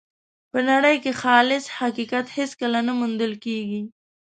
په نړۍ کې خالص حقیقت هېڅکله نه موندل کېږي.